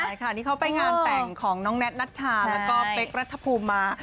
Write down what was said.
ใช่ค่ะนี่เขาไปงานแต่งของน้องแท็ตนัชชาแล้วก็เป๊กรัฐภูมิมา